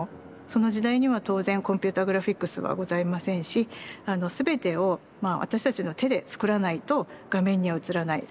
その時代には当然コンピューターグラフィックスはございませんし全てを私たちの手で作らないと画面には映らない。